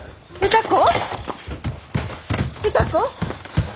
歌子